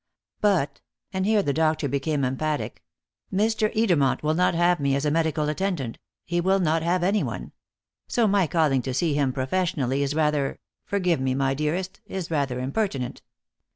But" and here the doctor became emphatic "Mr. Edermont will not have me as a medical attendant he will not have anyone. So my calling to see him professionally is rather forgive me, my dearest is rather impertinent."